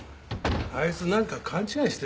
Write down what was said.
あいつなんか勘違いしてるよな。